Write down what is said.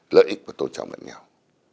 lợi ích và tôn trọng lẫn nhau